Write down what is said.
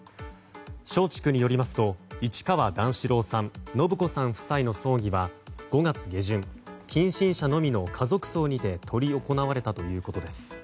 松竹によりますと市川段四郎さん延子さん夫妻の葬儀は５月下旬近親者のみの家族葬にて執り行われたということです。